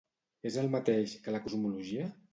És el mateix que la cosmologia?